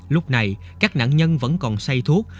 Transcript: lúc này các nạn nhân vẫn còn say thuốc